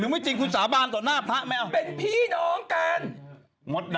ไปช่วยใครอ่ะที่สุด